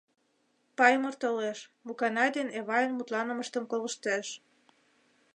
Паймыр толеш, Муканай ден Эвайын мутланымыштым колыштеш.